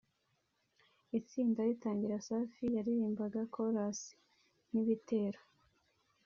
Itsinda ritangira Safi yaririmbaga chorus [inyikirizo] n’ibitero